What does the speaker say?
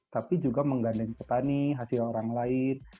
tapi juga menggandeng petani hasil orang lain